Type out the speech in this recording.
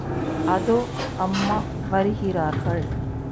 அதோ அம்மா வருகிறார்கள்.